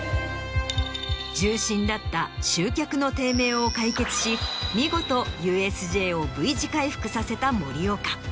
重心だった集客の低迷を解決し見事ＵＳＪをＶ字回復させた森岡。